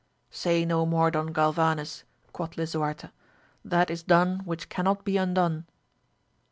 Say no more Don Galvanes, quoth Lisuarte, that is done which cannot be undone.